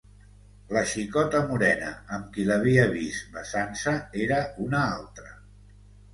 La xicota morena amb qui l'havia vist besant-se era una altra.